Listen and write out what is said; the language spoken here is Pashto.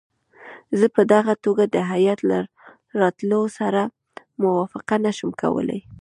زه په دغه توګه د هیات له راتلو سره موافقه نه شم کولای.